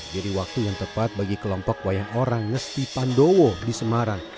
jadi waktu yang tepat bagi kelompok wayang orang ngesti pandowo di semarang